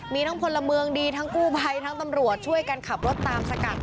มีทั้งพลเมืองดีทั้งกู้ภัยทั้งตำรวจช่วยกันขับรถตามสกัด